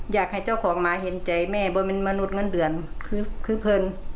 อยากให้เจ้าของหมาเห็นใจแม่ว่าเป็นมนุษย์เงินเดือนคือเพลิน